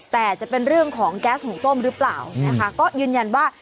แต่จะเป็นเรื่องของแก๊สหุงต้มหรือเปล่านะคะก็ยืนยันว่า